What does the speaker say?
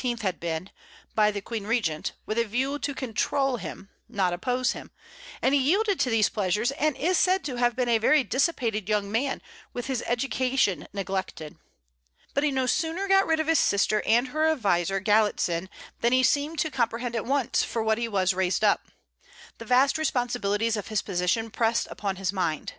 had been, by the queen regent, with a view to control him, not oppose him; and he yielded to these pleasures, and is said to have been a very dissipated young man, with his education neglected. But he no sooner got rid of his sister and her adviser, Galitzin, than he seemed to comprehend at once for what he was raised up. The vast responsibilities of his position pressed upon his mind.